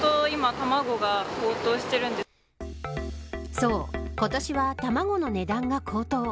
そう、今年は卵の値段が高騰。